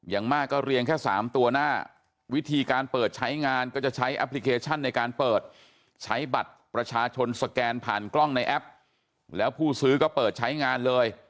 อย่างมากก็เรียงแค่๓ตัวหน้าวิธีการเปิดใช้งานก็จะใช้แอปพลิเคชันในการเปิดใช้บัตรประชาชนสแกนผ่านกล้องในแอปแล้วผู้ซื้อก็เปิดใช้งานเลย